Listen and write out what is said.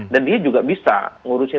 dan dia juga bisa ngurusin tentang politiknya